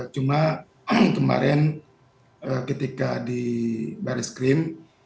cuma kemarin ketika di baris krim